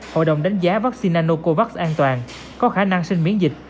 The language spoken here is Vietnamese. hội đồng đánh giá vaccine nanocovax an toàn có khả năng sinh miễn dịch